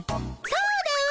そうだわ！